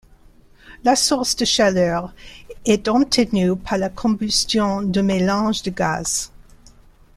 La source de chaleur est obtenue par la combustion d'un mélange de gaz.